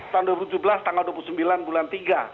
tahun dua ribu tujuh belas tanggal dua puluh sembilan bulan tiga